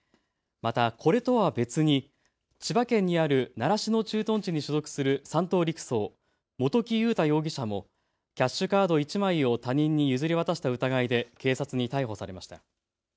また、これとは別に千葉県にある習志野駐屯地に所属する三等陸曹、元木悠太容疑者もキャッシュカード１枚を他人に譲り渡した疑いで警察に逮捕されました。